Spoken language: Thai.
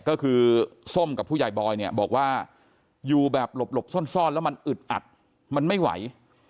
ก็คือส้มกับผู้ใหญ่บอยเนี่ยบอกว่าอยู่แบบหลบซ่อนแล้วมันอึดอัดมันไม่ไหว